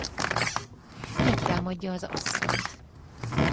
Megtámadja az asszonyt.